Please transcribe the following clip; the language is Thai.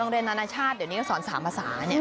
โรงเรียนนานาชาติเดี๋ยวนี้สอน๓ภาษาเนี่ย